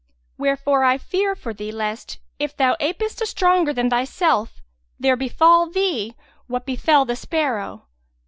Wherefore I fear for thee lest, if thou ape a stronger than thyself, there befal thee what befel the sparrow."